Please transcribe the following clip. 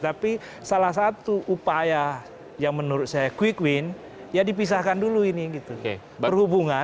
tapi salah satu upaya yang menurut saya quick win ya dipisahkan dulu ini gitu